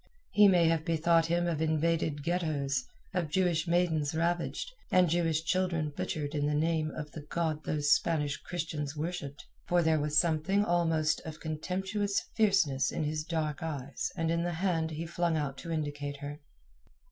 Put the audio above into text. He may have bethought him of invaded ghettos, of Jewish maidens ravished, and Jewish children butchered in the name of the God those Spanish Christians worshipped, for there was something almost of contemptuous fierceness in his dark eyes and in the hand he flung out to indicate her.